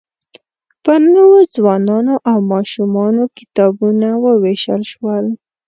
پر نوو ځوانانو او ماشومانو کتابونه ووېشل شول.